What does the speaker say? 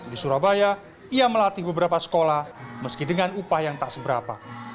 di surabaya ia melatih beberapa sekolah meski dengan upah yang tak seberapa